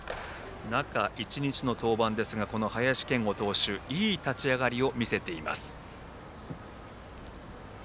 中１日目の登板ですが林謙吾投手いい立ち上がりを見せています。